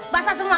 basah semua kan